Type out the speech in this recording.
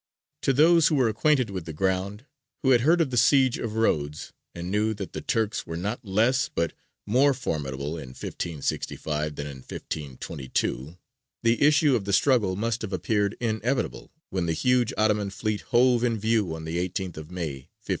To those who were acquainted with the ground, who had heard of the siege of Rhodes, and knew that the Turks were not less but more formidable in 1565 than in 1522, the issue of the struggle must have appeared inevitable, when the huge Ottoman fleet hove in view on the 18th of May, 1565.